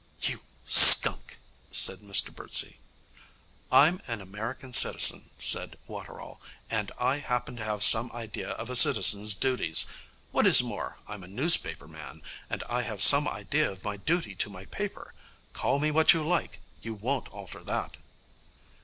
'You skunk!' said Mr Birdsey. 'I'm an American citizen,' said Waterall, 'and I happen to have some idea of a citizen's duties. What is more, I'm a newspaper man, and I have some idea of my duty to my paper. Call me what you like, you won't alter that.'